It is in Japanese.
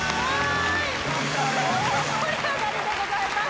大盛り上がりでございます。